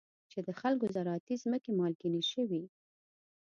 چې د خلکو زراعتي ځمکې مالګینې شوي.